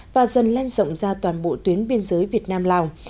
và dần lan rộng ra toàn bộ tuyến biên giới việt nam lào